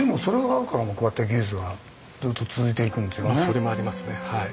それもありますねはい。